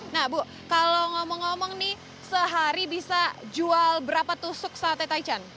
nah bu kalau ngomong ngomong nih sehari bisa jual berapa tusuk sate taichan